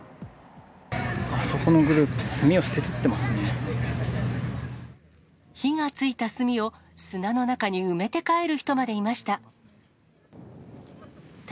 あそこのグループ、炭を捨て火がついた炭を、砂の中に埋めて帰る人までいました。